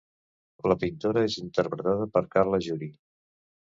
La pintora és interpretada per Carla Juri.